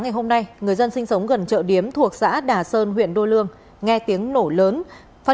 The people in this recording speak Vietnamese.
ngày hôm nay người dân sinh sống gần chợ điếm thuộc xã đà sơn huyện đô lương nghe tiếng nổ lớn phát